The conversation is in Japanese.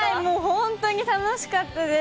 本当に楽しかったです！